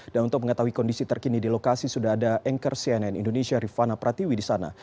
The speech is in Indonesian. dan untuk mengetahui kondisi terkini di lokasi sudah ada anchor cnn indonesia rifana pratiwi di sana